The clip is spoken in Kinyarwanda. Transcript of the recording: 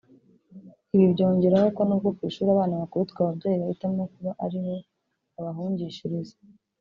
Ibi byongeraho ko n’ubwo ku ishuri abana bakubitwa ababyeyi bahitamo kuba ariho babahungishiriza